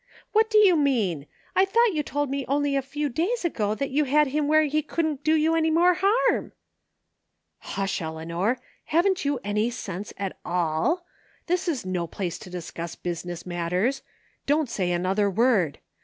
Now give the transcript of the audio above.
" What do you mean? I thought you told me only a few days ago that you had him where he couldn't do you any more harm? "Hush, Eleanor, haven't you any sense at all ? This is no place to discuss business matters. Don't say another word.